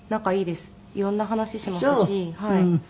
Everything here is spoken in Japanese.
色んな話しますしはい。